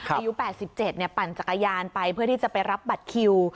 อายุ๘๗ปั่นจักรยานไปเพื่อที่จะไปรับบัตรคิว